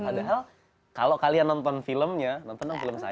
padahal kalau kalian nonton filmnya nonton dong film saya